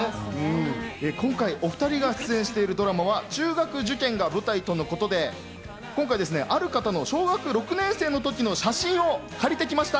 今回お２人が出演しているドラマは中学受験が舞台とのことで、今回、ある方の小学６年生の時の写真を借りてきました。